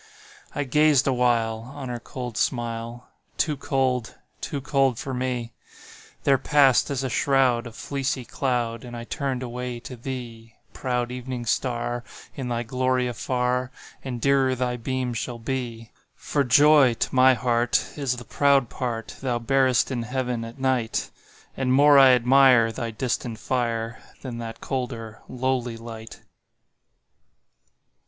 I gazed awhile On her cold smile; Too cold—too cold for me— There passed, as a shroud, A fleecy cloud, And I turned away to thee, Proud Evening Star, In thy glory afar And dearer thy beam shall be; For joy to my heart Is the proud part Thou bearest in Heaven at night, And more I admire Thy distant fire, Than that colder, lowly light.